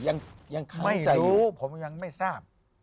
ยังค้างใจอยู่ผมยังไม่ทราบ